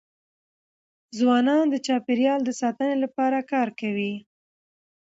ځوانان د چاپېریال د ساتني لپاره کار کوي.